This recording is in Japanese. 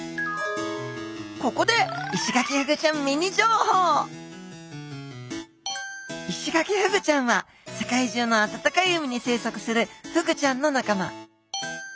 ここでイシガキフグちゃんは世界中の暖かい海に生息するフグちゃんの仲間。